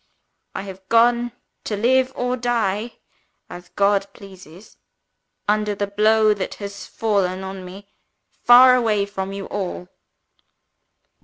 I have gone, to live or die (as God pleases) under the blow that has fallen on me, far away from you all.